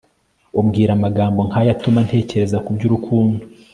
umbwira amagambo nkayo atuma ntekereza kubyurukundo